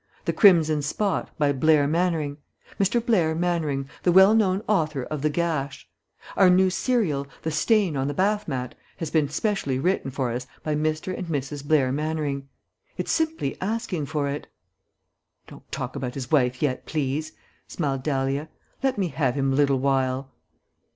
The Crimson Spot, by Blair Mannering. Mr. Blair Mannering, the well known author of The Gash. Our new serial, The Stain on the Bath Mat, has been specially written for us by Mr. and Mrs. Blair Mannering. It's simply asking for it." "Don't talk about his wife yet, please," smiled Dahlia. "Let me have him a little while."